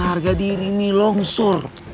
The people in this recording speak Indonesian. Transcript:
harga diri ini longsur